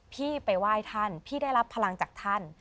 พี่ไปไหว้ท่านพี่ได้รับพลังจากท่าน